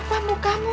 pak kenapa kamu